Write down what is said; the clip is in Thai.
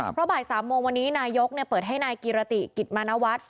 เพราะบ่าย๓โมงวันนี้นายกเปิดให้นายกิรติกิจมานวัฒน์